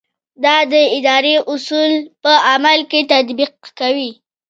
دا د ادارې اصول په عمل کې تطبیقوي.